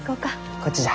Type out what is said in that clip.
こっちじゃ。